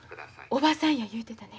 おばさんや言うてたね。